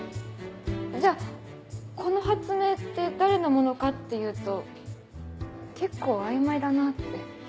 じゃこの発明って誰のものかっていうと結構曖昧だなって。